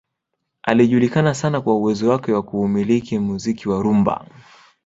Alijulikana sana kwa uwezo wake wa kuumiliki muziki wa rumba